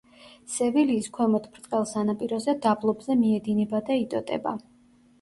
სევილიის ქვემოთ ბრტყელ სანაპირო დაბლობზე მიედინება და იტოტება.